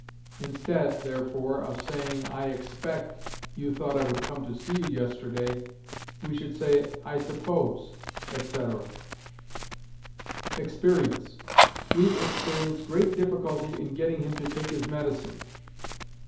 Instead, therefore, of saying, "I expect, you thought I would come to see you yesterday," we should say, "I suppose," etc. EXPERIENCE. "We experience great difficulty in getting him to take his medicine."